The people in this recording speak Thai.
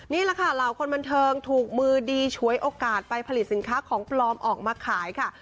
นี่แหละค่ะเหล่าคนบันเทิงถูกมือดีฉวยโอกาสไปผลิตสินค้าของปลอมออกมาขายค่ะ